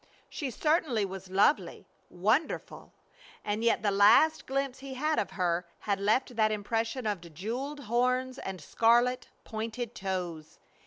She certainly was lovely wonderful! And yet the last glimpse he had of her had left that impression of jeweled horns and scarlet, pointed toes.